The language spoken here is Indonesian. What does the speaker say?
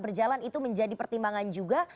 berjalan itu menjadi pertimbangan juga